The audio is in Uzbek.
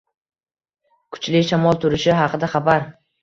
Kuchli shamol turishi haqida xabar